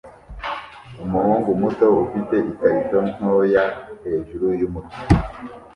umuhungu muto ufite ikarito ntoya hejuru yumutwe